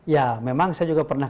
ya memang saya juga pernah